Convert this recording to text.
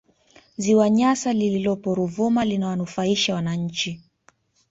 ziwa nyasa lililopo ruvuma linawanufaisha wananchi